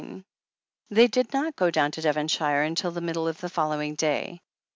XXVIII They did not go down to Devonshire until the mid dle of the following day.